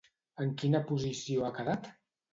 En quina posició ha quedat?